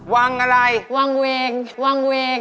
วางอะไรวางเวงวางเวง